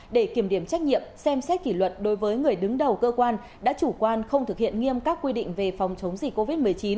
để kiểm điểm trách nhiệm xem xét kỷ luật đối với người đứng đầu cơ quan đã chủ quan không thực hiện nghiêm các quy định về phòng chống dịch covid một mươi chín